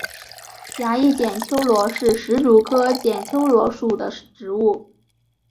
狭叶剪秋罗是石竹科剪秋罗属的植物。